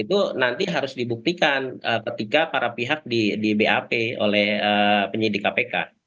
itu nanti harus dibuktikan ketika para pihak di bap oleh penyidik kpk